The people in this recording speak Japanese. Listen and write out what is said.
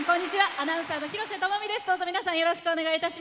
アナウンサーの廣瀬智美です。